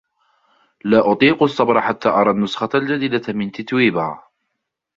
لا أطيق الصبر حتى أرى النسخة الجديدة من تتويبا.